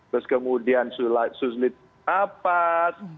terus kemudian suslit nafas